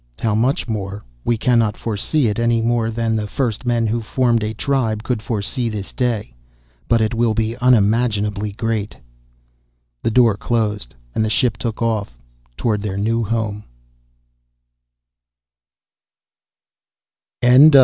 How much more? We cannot foresee it any more than the first men who formed a tribe could foresee this day. But it will be unimaginably great." The door closed and the ship took off toward their new home.